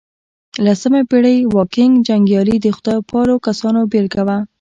لسمه پېړۍ واکینګ جنګيالي د خدای پالو کسانو بېلګه وه.